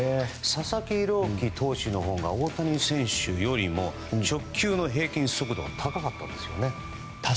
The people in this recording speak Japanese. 佐々木朗希投手のほうが大谷選手よりも直球の平均速度は高かったんですよね。